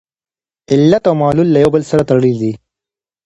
علت او معلول یو له بل سره تړلي دي.